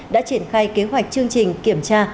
đã triển khai kế hoạch chương trình kiểm tra